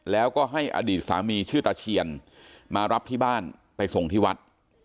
แล้วก็ให้อดีตสามีชื่อตาเชียนมารับที่บ้านไปส่งที่วัด